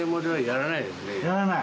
やらない。